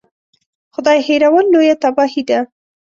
خدای هېرول لویه تباهي ده.